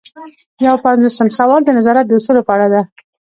یو پنځوسم سوال د نظارت د اصولو په اړه دی.